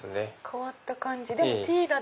変わった感じでもＴだ！